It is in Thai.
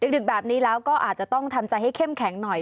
ดึกแบบนี้แล้วก็อาจจะต้องทำใจให้เข้มแข็งหน่อย